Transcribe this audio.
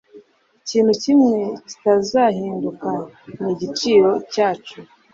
Ikintu kimwe kitazahinduka nigiciro cyacu